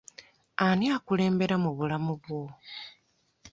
Ani akulembera mu bulamu bwo?